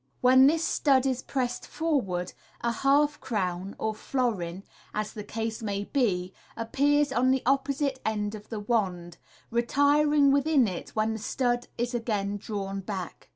When this stud is pressed forward, a half crown or florin, as the case may be, appears on the opposite end of the wand (see Fig. 93), retiring within it when the stud is again drawn back.